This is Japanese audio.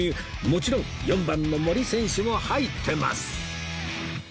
もちろん４番の森選手も入ってます